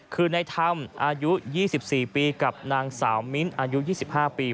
คือในธรรมอายุ๒๔ปีกับนางสาวมิ้นอายุ๒๕ปี